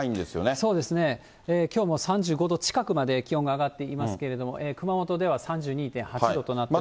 そうですね、きょうも３５度近くまで気温が上がっていますけれども、熊本では３２．８度となっています。